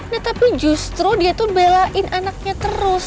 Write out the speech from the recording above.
nah tapi justru dia tuh belain anaknya terus